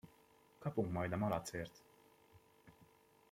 Kapunk majd a malacért!